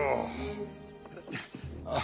ああ。